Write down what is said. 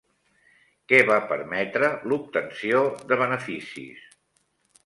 Què va permetre l'obtenció de beneficis?